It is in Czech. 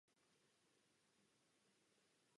Je ženatý a má tři syny.